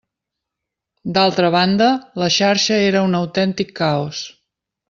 D'altra banda, la xarxa era un autèntic caos.